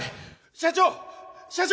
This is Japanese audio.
社長！社長！